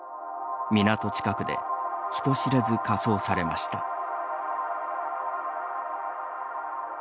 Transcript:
港近くで人知れず火葬されました。